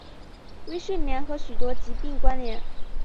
微睡眠和许多疾病关联。